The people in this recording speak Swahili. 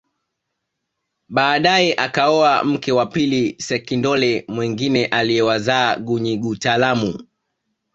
Baadae akaoa mke wa pili sekindole mwingine aliyewazaa Gunyigutalamu